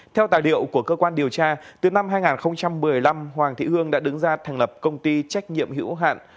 theo tài liệu của cơ quan điều tra từ năm hai nghìn một mươi năm hoàng thị hương đã đứng ra thành lập công ty trách nhiệm hữu hạn